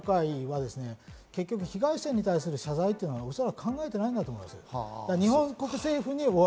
韓国の統一教会は結局、被害者に対する謝罪というのはおそらく考えていないと思います。